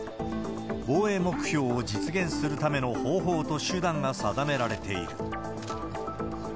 防衛目標を実現するための方法と手段が定められている。